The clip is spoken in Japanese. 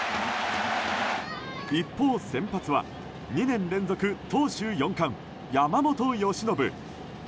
一方、先発は２年連続投手４冠、山本由伸。